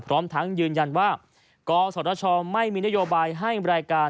พร้อมทั้งยืนยันว่ากศชไม่มีนโยบายให้รายการ